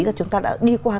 là chúng ta đã đi qua